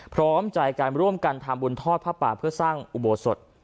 พร้อมใจการร่วมกันทำบุญทอดผ้าป่าเพื่อสร้างอุโบสถ